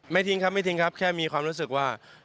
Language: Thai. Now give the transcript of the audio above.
ไม่ทิ้งครับครับแค่มีความรู้สึกว่า